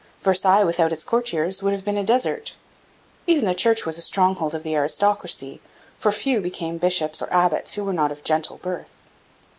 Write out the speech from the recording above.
Versailles without its courtiers would have been a desert. Even the Church was a stronghold of the aristocracy, for few became bishops or abbots who were not of gentle birth.